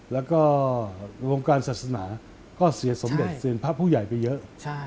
แล้วก็วงการศาสนาก็เสียสมเด็จเซียนพระผู้ใหญ่ไปเยอะ